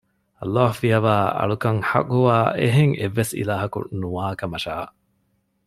ﷲ ފިޔަވައި އަޅުކަން ޙައްޤުވާ އެހެން އެއްވެސް އިލާހަކު ނުވާކަމަށާ